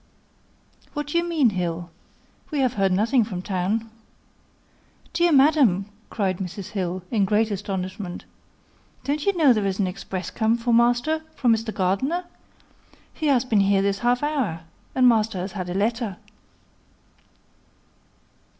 "What do you mean, Hill? We have heard nothing from town." "Dear madam," cried Mrs. Hill, in great astonishment, "don't you know there is an express come for master from Mr. Gardiner? He has been here this half hour, and master has had a letter."